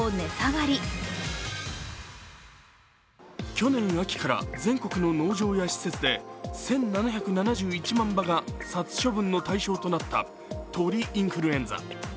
去年秋から全国の農場や施設で１７７１万羽が殺処分の対象となった鳥インフルエンザ。